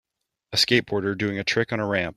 a skateboarder doing a trick on a ramp